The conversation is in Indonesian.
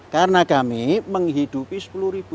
karena kami menghidupi